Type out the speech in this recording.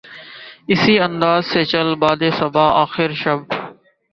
اسی انداز سے چل باد صبا آخر شب